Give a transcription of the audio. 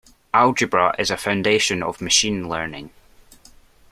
Algebra is a foundation of Machine Learning.